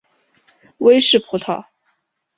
威氏葡萄